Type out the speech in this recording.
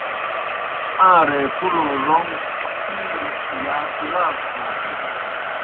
آن٘رے کُلو رون٘گ پِیلو یا پلاݜوْ ہو بِینوْ۔